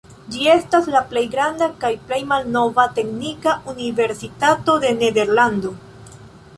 Ĝi estas la plej granda kaj plej malnova teknika universitato de Nederlando.